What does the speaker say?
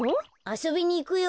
あそびにいくよ。